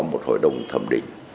một hội đồng thẩm định